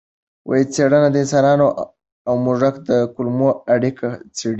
څېړنه د انسان او موږک د کولمو اړیکې څېړي.